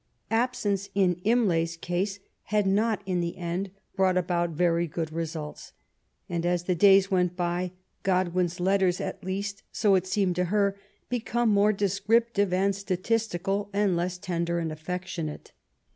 Absence in Imlay's case had not in the end brought about very good results ; and as the days went by, Godwin's letters, at least so it seemed to her, became more descriptive and statistical, and less tender and affectionate.